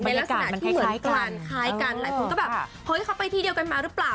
ลักษณะที่เหมือนกลานคล้ายกันหลายคนก็แบบเฮ้ยเขาไปที่เดียวกันมาหรือเปล่า